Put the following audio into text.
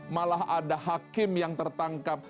malah ada hakim yang tertangkap